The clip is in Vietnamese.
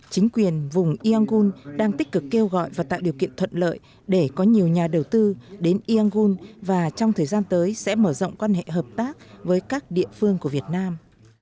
chính quyền vùng iangun đang tích cực kêu gọi và tạo điều kiện thuận lợi để có nhiều nhà đầu tư đến yangun và trong thời gian tới sẽ mở rộng quan hệ hợp tác với các địa phương của việt nam